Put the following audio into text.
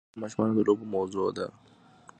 کلتور د افغان ماشومانو د لوبو موضوع ده.